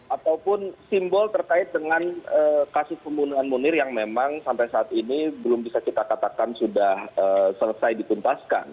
ataupun simbol terkait dengan kasus pembunuhan munir yang memang sampai saat ini belum bisa kita katakan sudah selesai dituntaskan